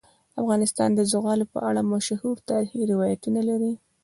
افغانستان د زغال په اړه مشهور تاریخی روایتونه لري.